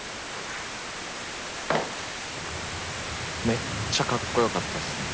めっちゃかっこよかったっすね。